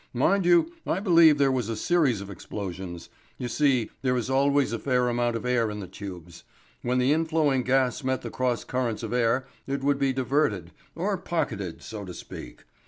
Mind you, I believe there was a series of explosions. You see, there is always a fair amount of air in the tubes. When the inflowing gas met the cross currents of air, it would be diverted, or pocketed, so to speak.